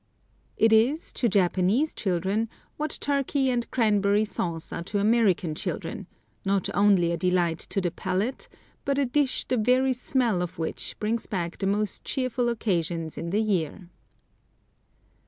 It is, to Japanese children, what turkey and cranberry sauce are to American children, not only a delight to the palate, but a dish the very smell of which brings back the most cheerful occasions in the year.